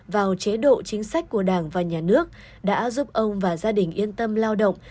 vào chế độ chính sách của đảng và nhà nước đã giúp ông và gia đình yên tâm lao động